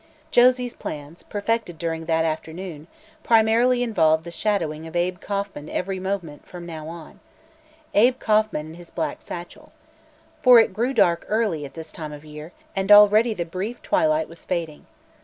Josie's plans, perfected during that afternoon, primarily involved the shadowing of Abe Kauffman every moment, from now on. Abe Kauffman and his black satchel. For it grew dark early at this time of year, and already the brief twilight was fading.